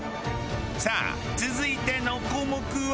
さあ続いての項目は？